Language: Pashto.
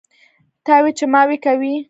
تاوې چې ماوې کوي.